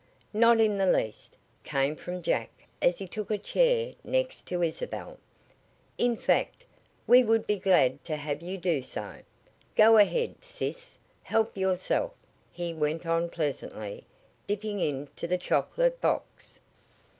"Not in the least," came from Jack as he took a chair next to Isabel. "In fact, we would be glad to have you do so. Go ahead, sis. Help yourself," he went on pleasantly, dipping into the chocolate box.